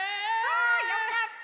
あよかった！